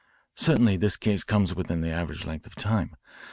Certainly this case comes within the average length of time.